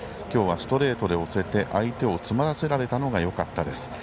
今日はストレートで押せて相手を詰まらせられたのがよかったです。